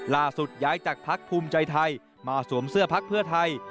ล่าสุดย้ายจากพรรคภูมิใจไทยมาซวมเสื้อพรรคเพื่อไทย